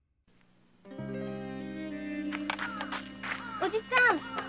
おじさん